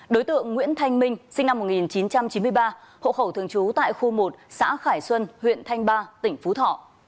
đối tượng nguyễn thanh minh sinh năm một nghìn chín trăm chín mươi ba hộ khẩu thường trú tại khu một xã khải xuân huyện thanh ba tỉnh phú thọ